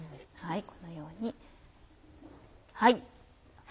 このようにはい。